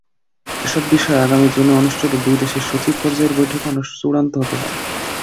এসব বিষয় আগামী জুনে অনুষ্ঠিত দুই দেশের সচিব পর্যায়ের বৈঠকে চূড়ান্ত হতে পারে।